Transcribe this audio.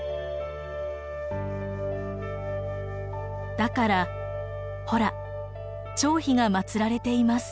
だからほら張飛が祀られています。